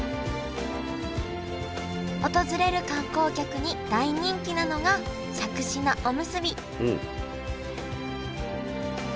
訪れる観光客に大人気なのがしゃくし菜おむすび